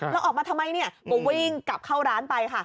แล้วออกมาทำไมเนี่ยก็วิ่งกลับเข้าร้านไปค่ะ